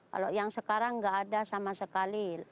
kalau yang sekarang nggak ada sama sekali